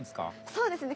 そうですね。